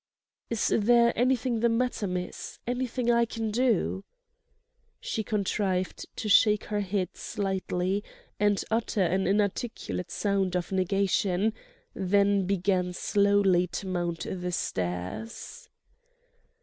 "Is there anything the matter, miss?—anything I can do?" She contrived to shake her head slightly and utter an inarticulate sound of negation, then began slowly to mount the stairs.